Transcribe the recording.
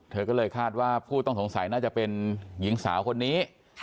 เธอก็เลยคาดว่าผู้ต้องสงสัยน่าจะเป็นหญิงสาวคนนี้